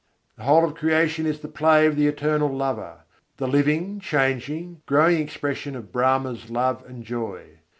The whole of creation is the Play of the Eternal Lover; the living, changing, growing expression of Brahma's love and joy.